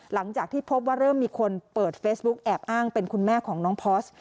หลังจากที่พบว่าเริ่มมีคนเปิดเฟซบุ๊กแอบอ้างเป็นคุณแม่ของน้องพอร์ส